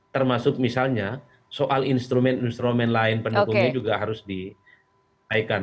termasuk misalnya soal instrumen instrumen lain pendukungnya juga harus diaikan